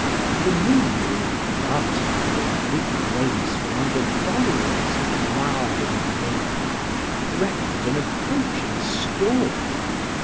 The moon beam darting her oblique rays from under volumes of lowering vapour, threatened an approaching storm.